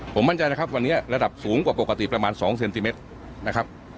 ผมมั่นใจวันนี้ระดับสูงกว่าปกติประมาณ๒เซนติเมตร